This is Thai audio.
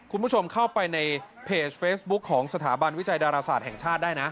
คุณผู้ชมเข้าไปในเพจเฟซบุ๊คของสถาบันวิจัยดาราศาสตร์แห่งชาติได้นะ